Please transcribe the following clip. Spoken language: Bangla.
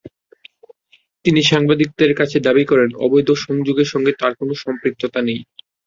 তিনি সাংবাদিকদের কাছে দাবি করেন, অবৈধ গ্যাস-সংযোগের সঙ্গে তাঁর কোনো সম্পৃক্ততা নেই।